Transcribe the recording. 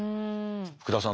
福田さん